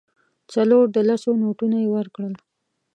څلور د لسو نوټونه یې ورکړل.